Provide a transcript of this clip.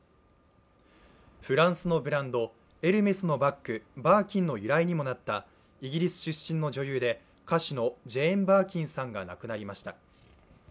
フランスのブランド・エルメスのバッグ、バーキンの由来にもなったイギリス出身の女優で歌手のジェーン・バーキンさんが亡くなりました。